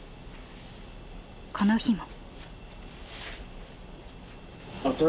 この日も。